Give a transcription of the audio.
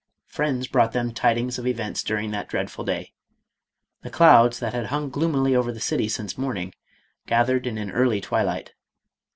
Friends brought them tidings of events du ring that dreadful day. The clouds, that had hung gloomily over the city since morning, gathered in an early twilight.